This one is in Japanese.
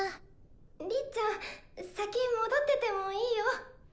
りっちゃん先戻っててもいいよ！